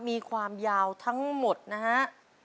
มีความยาวทั้งหมดนะฮะ